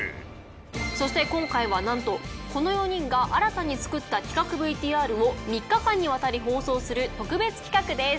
そして今回はなんとこの４人が新たに作った企画ＶＴＲを３日間にわたり放送する特別企画です。